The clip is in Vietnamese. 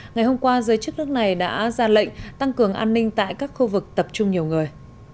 ngày hôm qua giới chức nước này đã ra lệnh tăng cường an ninh tại các khu vực tập trung nhiều người